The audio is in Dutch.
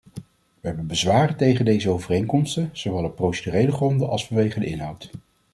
Wij hebben bezwaren tegen deze overeenkomsten, zowel op procedurele gronden als vanwege de inhoud.